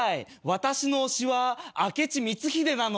私の推しは明智光秀なの。